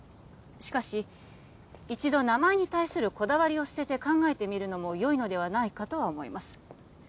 しかし一度名前に対するこだわりを捨てて考えてみるのもよいのではないかとは思います